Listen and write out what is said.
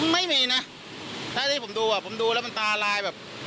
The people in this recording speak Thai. ไม่มีนะถ้าที่ผมดูอ่ะผมดูแล้วมันตาลายแบบ